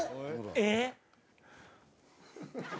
「えっ！」